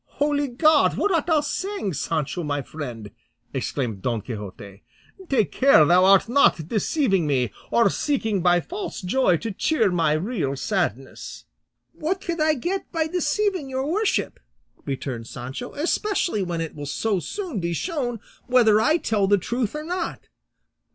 "Holy God! what art thou saying, Sancho, my friend?" exclaimed Don Quixote. "Take care thou art not deceiving me, or seeking by false joy to cheer my real sadness." "What could I get by deceiving your worship," returned Sancho, "especially when it will so soon be shown whether I tell the truth or not?